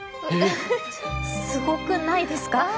すごくないですか？